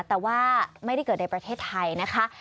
แต่ว่าไม่ได้เกิดในประเทศไทยนะคะ